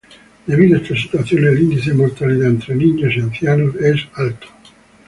Debido a esta situación, el índice de mortalidad en niños y ancianos es alto.